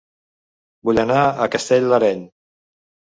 Vull anar a Castell de l'Areny